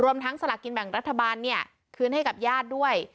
ทั้งสลากกินแบ่งรัฐบาลเนี่ยคืนให้กับญาติด้วย